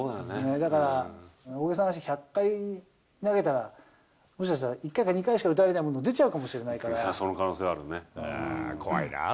だから大げさな話、１００回投げたらもしかしたら１回か２回しか打たれないものが出その可能性はあるもんね。